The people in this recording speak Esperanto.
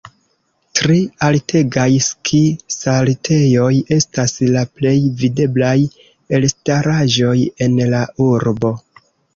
Tri altegaj ski-saltejoj estas la plej videblaj elstaraĵoj en la urbo.